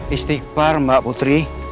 istighfar mbak putri